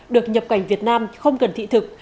được nhập cảnh việt nam không cần thị thực